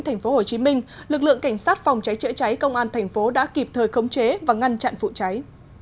tp hcm lực lượng cảnh sát phòng cháy chữa cháy công an thành phố đã kịp thời khống chế và ngăn chặn vụ cháy